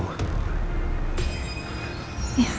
sampai elsa tau